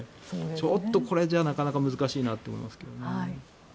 ちょっとこれじゃなかなか難しいなと思いますけどね。